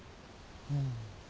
うん。